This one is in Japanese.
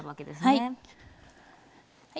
はい。